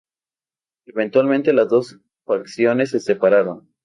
Eventualmente las dos facciones se separaron.